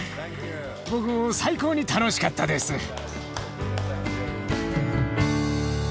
僕も最高に楽しかったです！